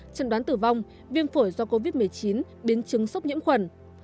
trần đoán tử vong viêm phổi do covid một mươi chín biến chứng sốc nhiễm khuẩn